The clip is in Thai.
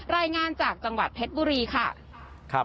รายงานจากจังหวัดเพชรบุรีค่ะ